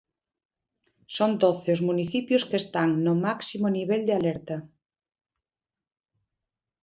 Son doce os municipios que están no máximo nivel de alerta.